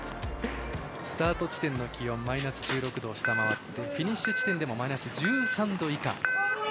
スタート地点の気温マイナス１６度を下回ってフィニッシュ地点でもマイナス１３度以下。